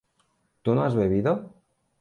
¿tú no has bebido?